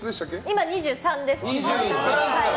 今、２３です。